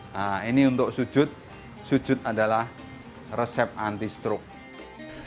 nah ini untuk sujud sujud adalah resep anti stroke